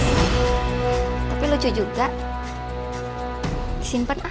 botol apa ini tapi lucu juga simpan ah